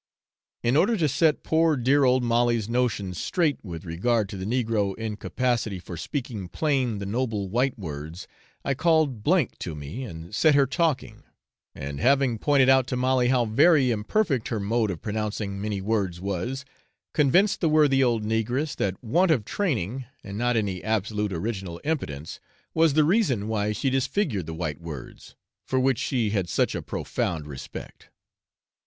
In order to set poor dear old Molly's notions straight with regard to the negro incapacity for speaking plain the noble white words, I called S to me and set her talking; and having pointed out to Molly how very imperfect her mode of pronouncing many words was, convinced the worthy old negress that want of training, and not any absolute original impotence, was the reason why she disfigured the white words, for which she had such a profound respect.